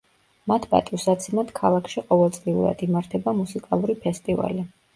მათ პატივსაცემად ქალაქში ყოველწლიურად იმართება მუსიკალური ფესტივალი.